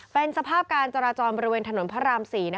เป็นสภาพการจราจรบริเวณถนนพระราม๔